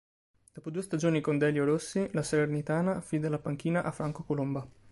Dopo due stagioni con Delio Rossi, la Salernitana affida la panchina a Franco Colomba.